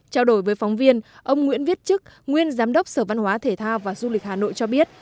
trao đổi với phóng viên ông nguyễn viết chức nguyên giám đốc sở văn hóa thể thao và du lịch hà nội cho biết